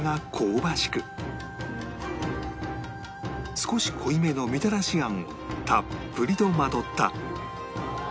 少し濃いめのみたらし餡をたっぷりとまとった